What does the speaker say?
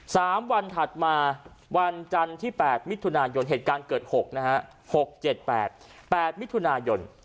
สามวันถัดมาวันจันทร์ที่แปดมิถุนายนเหตุการณ์เกิดหกนะฮะหกเจ็ดแปดแปดมิถุนายน